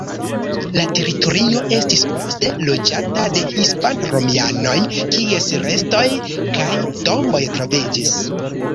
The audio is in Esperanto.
La teritorio estis poste loĝata de hispan-romianoj, kies restoj kaj tomboj troviĝis.